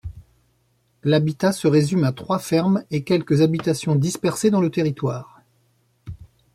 L'habitat se résume à trois fermes et quelques habitations dispersées dans le territoire.